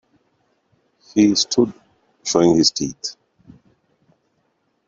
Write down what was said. He stood showing his teeth.